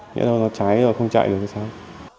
nghĩa là nó cháy rồi không chạy được thì sao